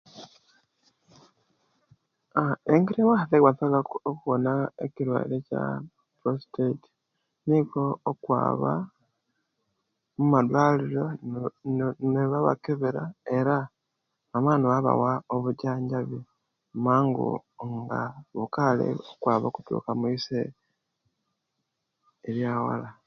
Aa engeri abasaiza ebasobola okuwona ekiruaire kya prostate nikwo okwaba mu madwaliro Nene nebaba kebera nibamala babawa obujanjabi mangu nga bukali okutuka omwise eria wala